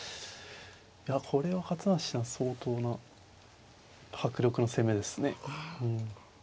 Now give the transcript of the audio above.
いやこれは勝又七段相当な迫力の攻めですね。